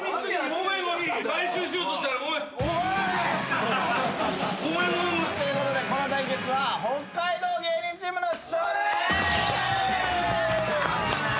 ごめんごめんごめん。ということでこの対決は北海道芸人チームの勝利！